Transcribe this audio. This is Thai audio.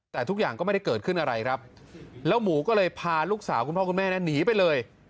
แต่ทุกอย่างก็ไม่ได้เกิดขึ้นอะไรครับแล้วหมูก็เลยพาลูกสาวคุณพ่อคุณแม่นั้นหนีไปเลย